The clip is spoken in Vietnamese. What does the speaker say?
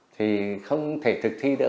thì không thể thực thi được